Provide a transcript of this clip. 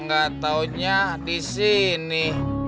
gak taunya disini